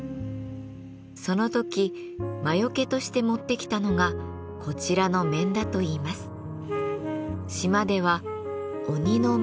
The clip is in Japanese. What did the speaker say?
その時魔よけとして持ってきたのがこちらの面だといいます。